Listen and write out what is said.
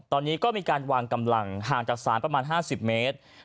ตอนนี้ก็มีการวางกำลังห่างจากศาลประมาณ๕๐เมตร